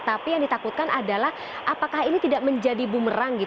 tapi yang ditakutkan adalah apakah ini tidak menjadi bumerang